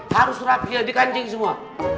harus rapi dikancing semua